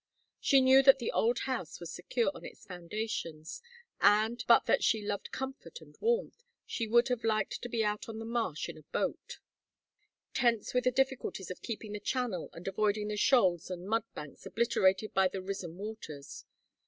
She knew that the old house was secure on its foundations, and, but that she loved comfort and warmth, she would have liked to be out on the marsh in a boat; tense with the difficulties of keeping the channel and avoiding the shoals and mud banks obliterated by the risen waters.